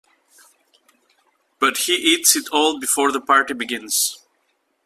But he eats it all before the party begins!